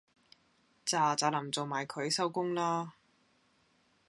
喳喳林做埋佢收工啦